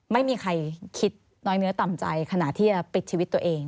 ไม่มีใครคิดน้อยเนื้อต่ำใจขณะที่จะปิดชีวิตตัวเอง